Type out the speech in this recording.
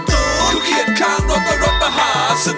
หนูเขียนข้างรถก็รถมหาสนุก